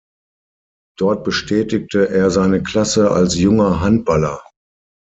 Dort bestätigte er seine Klasse als junger Handballer.